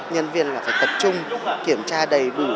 nhân viên phải tập trung kiểm tra đầy đủ